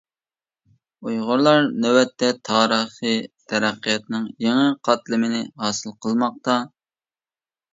ئۇيغۇرلار نۆۋەتتە تارىخىي تەرەققىياتنىڭ يېڭى قاتلىمىنى ھاسىل قىلماقتا.